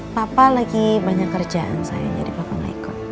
papa lagi banyak kerjaan sayang jadi papa nggak ikut